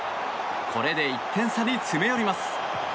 これで１点差に詰め寄ります。